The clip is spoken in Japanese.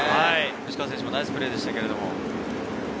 吉川選手もナイスプレーでしたけれど。